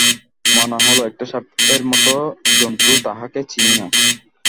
মনে হইল একটা সাপের মতো জন্তু, তাহাকে চিনি না।